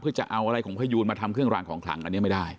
เพื่อจะเอาอะไรของพยูนมาทำเครื่องรางของขลังอันนี้ไม่ได้